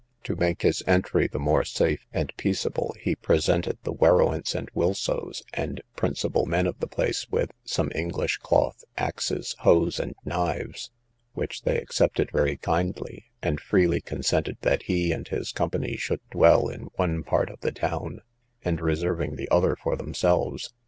To make his entry the more safe and peaceable, he presented the Werowance and Wilsos, and principal men of the place, with some English cloth, axes, hoes and knives, which they accepted very kindly, and freely consented that he and his company should dwell in one part of the town, and reserving the other for themselves.